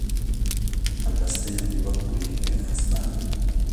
helbestên wî wek kulîlk tên hesibandin